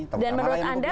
dan menurut anda